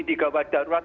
di gawah darurat